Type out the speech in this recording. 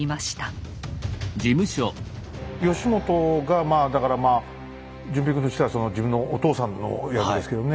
義元がまあだから淳平君としては自分のお父さんの役ですけどね。